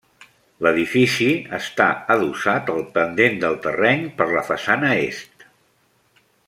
L'edifici està adossat al pendent del terreny per la façana Est.